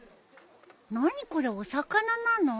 何これお魚なの？